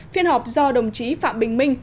phiên họp do đồng chí phạm bình minh